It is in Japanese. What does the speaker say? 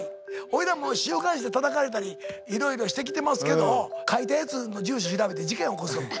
俺らもう週刊誌でたたかれたりいろいろしてきてますけど書いたやつの住所調べて事件起こすと思う。